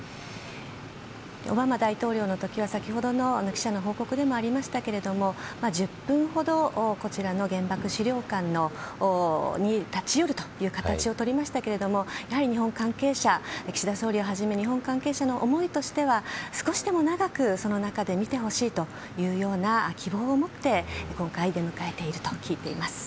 オバマ大統領の時は先ほどの記者の報告でもありましたが１０分ほどこちらの原爆資料館に立ち寄るという形をとりましたがやはり日本関係者岸田総理をはじめ日本関係者の思いとしては少しでも長くその中で見てほしいという希望を持って今回出迎えていると聞いています。